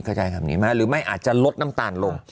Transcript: ใช้คำนี้ไหมหรือไม่อาจจะลดน้ำตาลลง